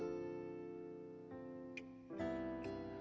จริงจริง